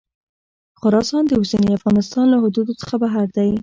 خراسان د اوسني افغانستان له حدودو څخه بهر دی.